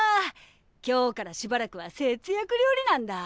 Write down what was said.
今日からしばらくは節約料理なんだ。